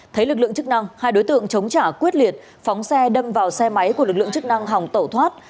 thấy lực lượng chức năng hai đối tượng chống trả quyết liệt phóng xe đâm vào xe máy của lực lượng chức năng hòng tẩu thoát